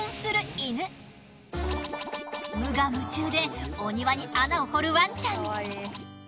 無我夢中でお庭に穴を掘るワンちゃん。